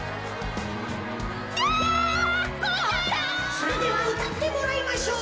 それではうたってもらいましょう。